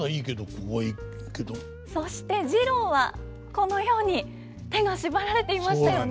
そして次郎はこのように手が縛られていましたよね。